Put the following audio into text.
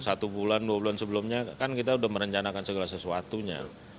satu bulan dua bulan sebelumnya kan kita sudah merencanakan segala sesuatunya